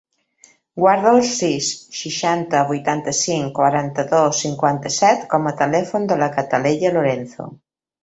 Guarda el sis, seixanta, vuitanta-cinc, quaranta-dos, cinquanta-set com a telèfon de la Cataleya Lorenzo.